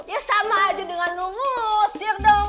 ya sama aja dengan lo ngusir dong